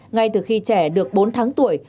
ngay từ khi trẻ được bốn tháng tuổi